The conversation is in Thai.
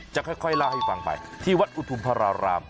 จะค่อยเล่าให้ฟังไปที่วัดอุทุมพระราราม